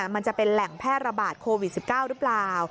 มันจะเป็นแหล่งแพร่ระบาดโควิด๑๙หรือเปล่า